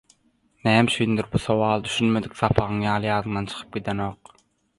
Näme üçindir bu sowal düşünmedik sapagyň ýaly ýadyňdan çykyp gidenok.